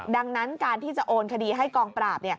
ดังนั้นการที่จะโอนคดีให้กองปราบ